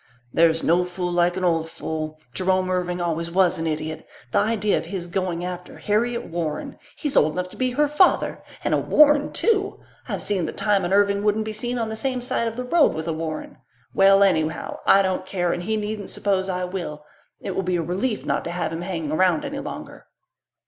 "There's no fool like an old fool. Jerome Irving always was an idiot. The idea of his going after Harriet Warren! He's old enough to be her father. And a Warren, too! I've seen the time an Irving wouldn't be seen on the same side of the road with a Warren. Well, anyhow, I don't care, and he needn't suppose I will. It will be a relief not to have him hanging around any longer."